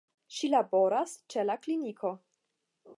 Ŝi laboras ĉe la kliniko.